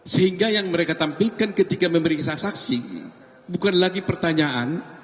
sehingga yang mereka tampilkan ketika memeriksa saksi bukan lagi pertanyaan